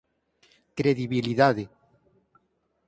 Credibilidade